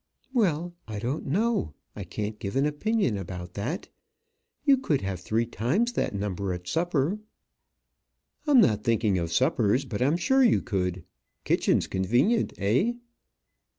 "Well, I don't know. I can't give an opinion about that. You could have three times that number at supper." "I'm not thinking of suppers; but I'm sure you could. Kitchen's convenient, eh?"